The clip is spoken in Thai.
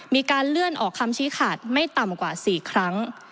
มีการเลื่อนออกคำชี้ขาดไม่ต่ำกว่า๔ครั้ง